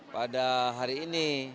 pada hari ini